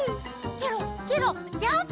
ケロッケロッジャンプ！